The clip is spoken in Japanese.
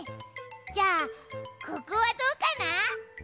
じゃあここはどうかな？